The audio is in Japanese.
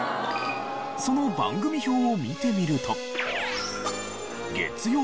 その番組表を見てみると。